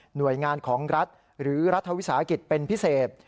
หน่วยงานของรัฐหรือรัฐวิสาหกิจเป็นพิเศษ